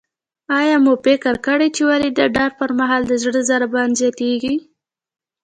آیا مو فکر کړی چې ولې د ډار پر مهال د زړه ضربان زیاتیږي؟